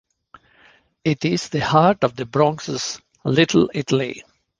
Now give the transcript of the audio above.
It is the heart of the Bronx's "Little Italy".